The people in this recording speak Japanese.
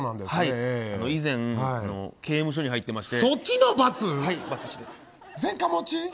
以前、刑務所に入ってまして。